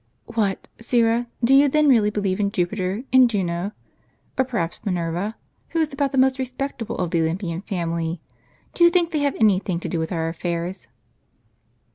"What, Syra, do you then really believe in Jupiter, and Juno, or perhaps Minerva, who is about the most respectable of the Olympian family? Do you think they have any thing to do with our affairs?